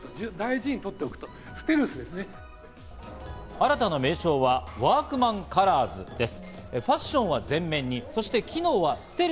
新たな名称はワークマンカラーズです。